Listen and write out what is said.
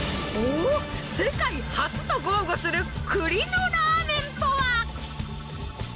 おぉ世界初と豪語する栗のラーメンとは！？